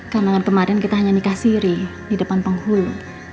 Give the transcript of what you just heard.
karena kemarin kita hanya nikah siri di depan penghulu